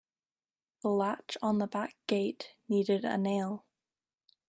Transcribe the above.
The latch on the back gate needed a nail.